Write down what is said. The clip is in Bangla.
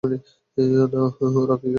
না, ওরা কী খায়?